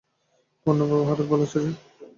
পূর্ণবাবু, হঠাৎ পালাচ্ছ যে?